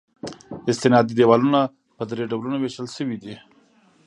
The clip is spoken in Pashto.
استنادي دیوالونه په درې ډولونو ویشل شوي دي